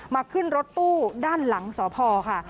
ขึ้นรถตู้ด้านหลังสพค่ะ